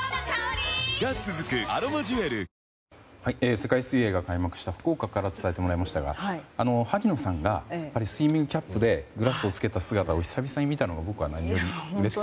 世界水泳が開幕した福岡から伝えてもらいましたが萩野さんがスイミングキャップでグラスを着けた姿を「髪顔体髪顔体バラバラ洗いは面倒だ」